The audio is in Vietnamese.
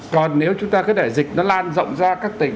còn nếu chúng ta cứ để dịch nó lan rộng ra các tỉnh